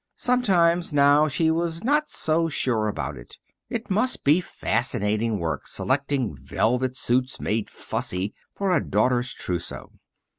Sometimes, now, she was not so sure about it. It must be fascinating work selecting velvet suits, made "fussy," for a daughter's trousseau.